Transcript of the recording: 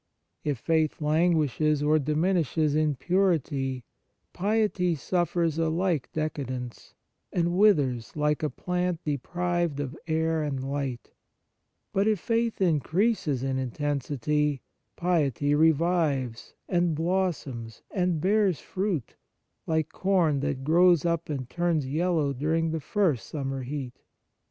If faith languishes or diminishes in purity, piety suffers a like decadence, and withers like a plant deprived of air and light; but 57 On Piety if faith increases in intensity, piety revives, and blossoms and bears fruit, like corn that grows up and turns yellow during the first summer heat.